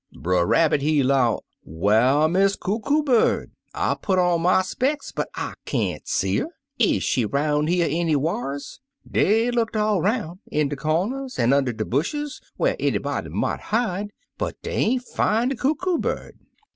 "Brer Rabbit he 'low, 'Whar Miss Coo Coo Bird ? I put on my specks, but I can't see 'er. Is she 'roun' here any whar's?' Dey looked all 'roun', in de comers, an' under de bushes whar anybody mought hide, but dey ain't fin' de Coo Coo Bird.